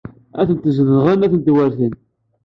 A tent-zedɣen, a tent-weṛten.